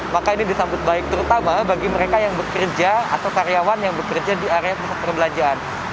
maka ini disambut baik terutama bagi mereka yang bekerja atau karyawan yang bekerja di area pusat perbelanjaan